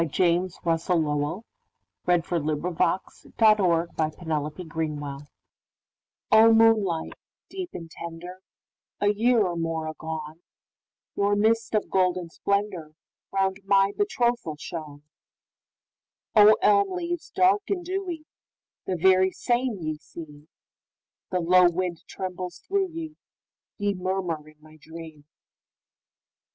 James Russell Lowell 1819–1891 James Russell Lowell 127 Song O, MOONLIGHT deep and tender,A year and more agone, Your mist of golden splendorRound my betrothal shone!O, elm leaves dark and dewy, The very same ye seem, The low wind trembles through ye, Ye murmur in my dream!